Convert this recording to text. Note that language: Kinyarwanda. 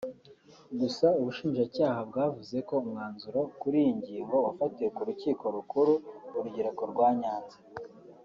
Gusa Ubushinjacyaha bwavuze ko umwanzuro kuri iyo ngingo wafatiwe mu Rukiko Rukuru - Urugereko rwa Nyanza